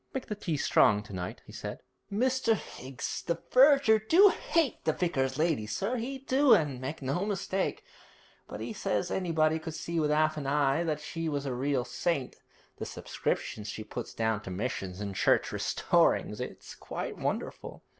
'Make the tea strong to night,' he said. 'Mr. Higgs, the verger, do hate the vicar's lady, sir he do, and no mistake but he says anybody could see with 'alf a heye that she was a real saint. The subscriptions she puts down to missions and church restorings it's quite wonderful.'